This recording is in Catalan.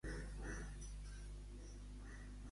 Obre al reproductor la pel·lícula "Pa negre" una altra vegada.